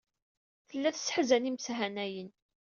Tella tesseḥzan imeshanayen.